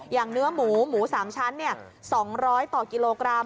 อย่างเนื้อหมูหมูสามชั้นเนี่ย๒๐๐ต่อกิโลกรัม